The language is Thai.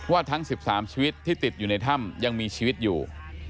ทั้ง๑๓ชีวิตที่ติดอยู่ในถ้ำยังมีชีวิตอยู่